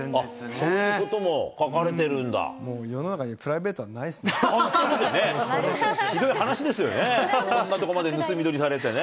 そういうことも書かれてるん世の中にプライベートはないひどい話ですよね、こんなところまで盗み撮りされてね。